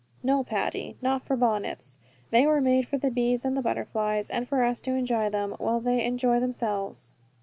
"No, Patty, not for bonnets. They were made for the bees and the butterflies, and for us to enjoy them, while they enjoy themselves."